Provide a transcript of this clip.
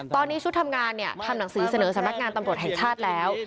ตอนนี้ชุดทำงานทำหนังสือเสนอสำนักงานตำรวจแห่งชาติแล้ว